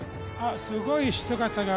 すごい人型が。